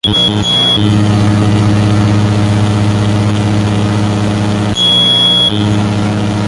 Fue autor de varias monografías durante sus años en la Universidad.